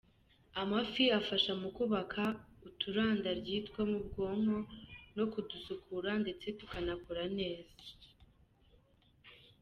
Amafi: afasha mu kubaka uturandaryi two mu bwonko no kudusukura ndetse tukanakora neza.